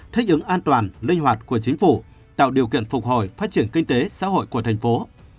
thích ứng an toàn linh hoạt của chính phủ tạo điều kiện phục hồi phát triển kinh tế xã hội của thành phố